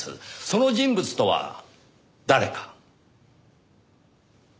その人物とは誰か？